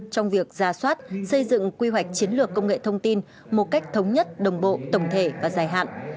trong việc ra soát xây dựng quy hoạch chiến lược công nghệ thông tin một cách thống nhất đồng bộ tổng thể và dài hạn